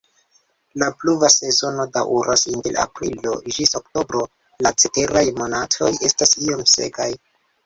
La pluva sezono daŭras inter aprilo ĝis oktobro, la ceteraj monatoj estas iom sekaj.